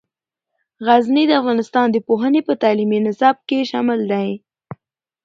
غزني د افغانستان د پوهنې په تعلیمي نصاب کې شامل دی.